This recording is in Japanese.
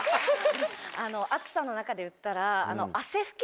暑さの中で言ったら。